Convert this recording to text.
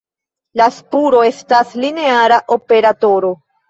La spuro estas lineara operatoro.